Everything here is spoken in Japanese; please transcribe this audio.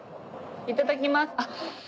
いただきます。